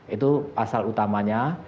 itu pasal utamanya